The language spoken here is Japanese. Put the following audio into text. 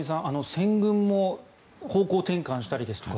先軍も方向転換したりとか